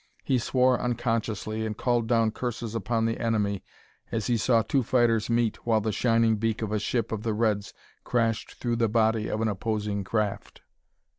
He swore unconsciously and called down curses upon the enemy as he saw two fighters meet while the shining beak of a ship of the reds crashed through the body of an opposing craft.